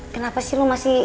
kenapa sih lo masih